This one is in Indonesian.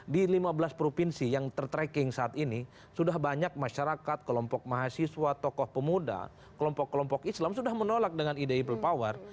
di lima belas provinsi yang ter tracking saat ini sudah banyak masyarakat kelompok mahasiswa tokoh pemuda kelompok kelompok islam sudah menolak dengan ide people power